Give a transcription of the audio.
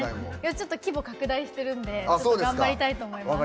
ちょっと規模拡大してるんでちょっと頑張りたいと思います。